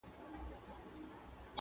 دعا ګوی وي د زړو کفن کښانو!!..